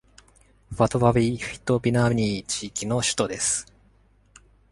ヴァトヴァヴィ・フィトビナニー地域の首都です。